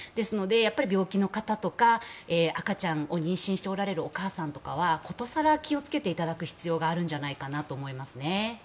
病気の方とか赤ちゃんを妊娠しておられるお母さんとかは殊更気をつけていただく必要があるんじゃないかと思いますね。